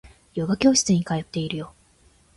ヨガ教室に通っているよ